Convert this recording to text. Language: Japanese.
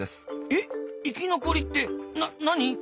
え生き残りって何？